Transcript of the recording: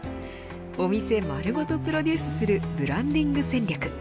お店丸ごとプロデュースするブランディング戦略。